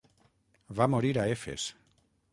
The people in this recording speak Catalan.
Va morir a Efes.